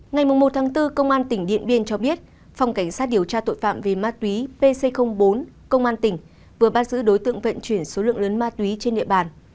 ngày một bốn công an tỉnh điện biên cho biết phòng cảnh sát điều tra tội phạm về ma túy pc bốn công an tỉnh vừa bắt giữ đối tượng vận chuyển số lượng lớn ma túy trên địa bàn